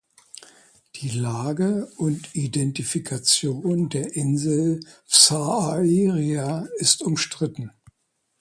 Die Lage und Identifikation der Insel Sphairia ist umstritten.